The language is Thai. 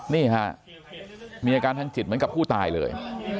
นี่ฮะมีอาการทางจิตเหมือนกับผู้ตายเลย